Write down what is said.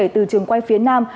từ trường quay phía nam